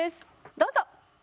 どうぞ！